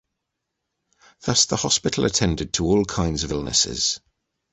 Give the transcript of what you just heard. Thus, the hospital attended to all kinds of illnesses.